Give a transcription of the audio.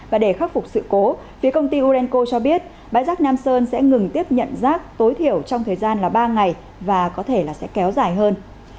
và để khắc phục sự cố phía công ty urenco cho biết bãi rác nam sơn sẽ ngừng tiếp nhận rác tối thiểu trong thời gian là ba ngày và có thể là sẽ kéo dài hơn